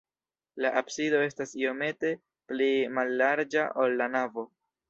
La absido estas iomete pli mallarĝa, ol la navo.